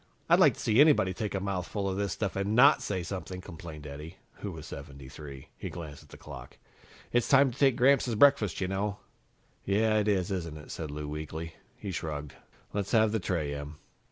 "I'd like to see anybody take a mouthful of this stuff and not say something," complained Eddie, who was 73. He glanced at the clock. "It's time to take Gramps his breakfast, you know." "Yeah, it is, isn't it?" said Lou weakly. He shrugged. "Let's have the tray, Em."